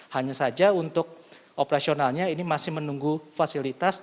hanya saja untuk operasionalnya ini masih menunggu fasilitas